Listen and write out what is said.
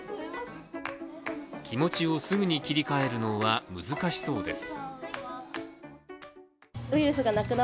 気持ちをすぐに切り替えるのは難しそうです。